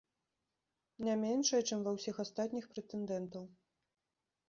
Не меншая, чым ва ўсіх астатніх прэтэндэнтаў.